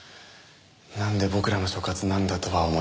なんで僕らの所轄なんだとは思いますけど。